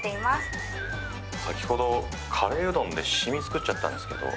先ほどカレーうどんで染み作っちゃったんですけど。